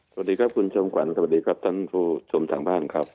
สวัสดีครับคุณจอมขวัญสวัสดีครับท่านผู้ชมทางบ้านครับ